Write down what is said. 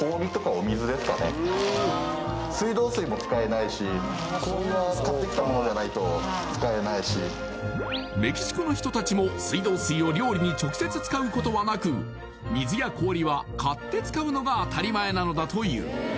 おいしい日本食を作るためて使っているメキシコの人たちも水道水を料理に直接使うことはなく水や氷は買って使うのが当たり前なのだという